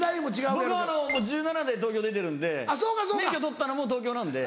僕１７で東京出てるんで免許取ったのも東京なんで。